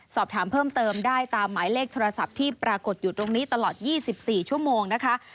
สอบถามเพิ่มเติมได้ตามหมายเลขโทรศัพท์ที่ปรากฏอยู่ตรงนี้ตลอด๒๔ชั่วโมงนะคะ